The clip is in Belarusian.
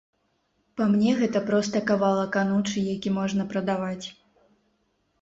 Па мне гэта проста кавалак анучы, які можна прадаваць.